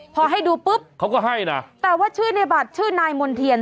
พอให้ดูปุ๊บเขาก็ให้นะแต่ว่าชื่อในบัตรชื่อนายมณ์เทียน